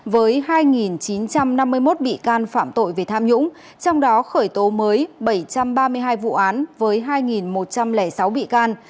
với hai chín trăm năm mươi một bị can phạm tội về tham nhũng trong đó khởi tố mới bảy trăm ba mươi hai vụ án với hai một trăm linh sáu bị can